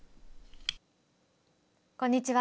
こんにちは。